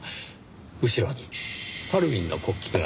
後ろにサルウィンの国旗が。